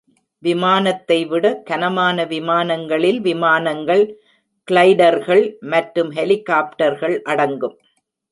விமானத்தை விட கனமான விமானங்களில் விமானங்கள், கிளைடர்கள் மற்றும் ஹெலிகாப்டர்கள் அடங்கும்.